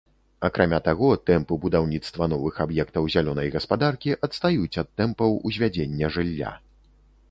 Акрамя таго, тэмпы будаўніцтва новых аб'ектаў зялёнай гаспадаркі адстаюць ад тэмпаў узвядзення жылля.